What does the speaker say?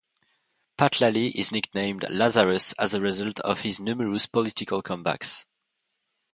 Pat Lally is nicknamed 'Lazarus', as a result of his numerous political comebacks.